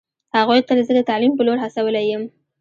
هغوی تل زه د تعلیم په لور هڅولی یم